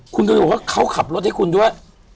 คุณก็บอกว่าเขาขับรถให้คุณด้วย